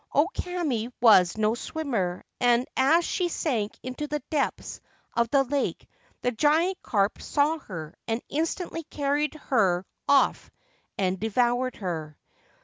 O Kame was no swimmer, and as she sank into the depths of the lake the giant carp saw her, and instantly carried her off and devoured her.